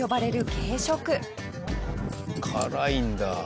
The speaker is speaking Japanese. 辛いんだ。